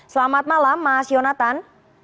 selamat malam mas yonatan